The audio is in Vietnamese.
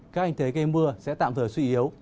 các hình thế gây mưa sẽ tạm thời suy yếu